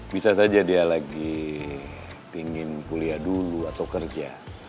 bisa saja dia lagi ingin kuliah dulu atau kerja